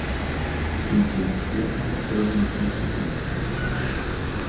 ئىككىنچى، بۇ ئەڭ تۆۋەن نىشان چېكى.